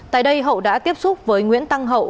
tại đây hậu đã tiếp xúc với nguyễn tăng hậu